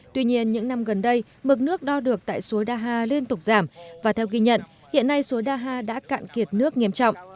tuy nhiên những năm gần đây mực nước đo được tại suối đa hà liên tục giảm và theo ghi nhận hiện nay suối đa hà đã cạn kiệt nước nghiêm trọng